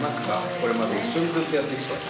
これまで一緒にずっとやってきて。